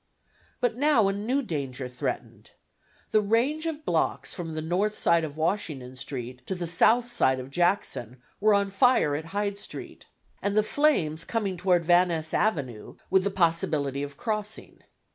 But now a new danger threatened. The range of blocks from the north side of Washington Street to the south side of Jackson were on fire at Hyde Street, and the flames coming toward Van Ness Avenue, with the possibility of crossing.